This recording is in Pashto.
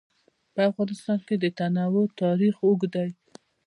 په افغانستان کې د تنوع تاریخ اوږد دی.